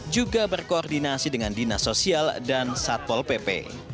juga berkoordinasi dengan dinas sosial dan satpol pp